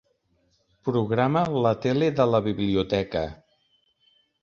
Programa la tele de la biblioteca.